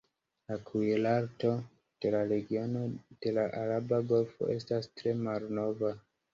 La kuirarto de la regiono de la araba golfo estas tre malnova.